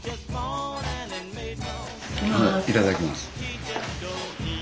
いただきます。